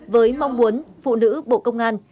với mong muốn phụ nữ bộ công an